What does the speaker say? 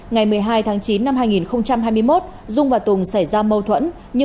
ngày một mươi hai tháng chín năm hai nghìn hai mươi một dung và tùng xảy ra mâu thuẫn